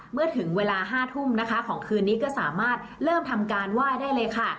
เมื่อถึงเวลา๕ทุ่มนะคะของคืนนี้ก็สามารถเริ่มทำการไหว้ได้เลยค่ะ